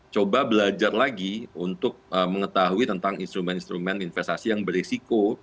coba belajar lagi untuk mengetahui tentang instrumen instrumen investasi yang berisiko